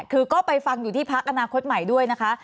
คือก็ไปฟังอยู่ที่พักอนาคตใหม่ด้วยนะคะ